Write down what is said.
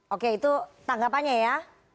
oke itu tanggapannya ya